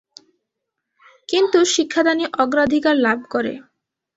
কিন্তু শিক্ষাদানই অগ্রাধিকার লাভ করে।